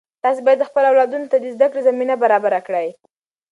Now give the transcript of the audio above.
تاسې باید خپلو اولادونو ته د زده کړې زمینه برابره کړئ.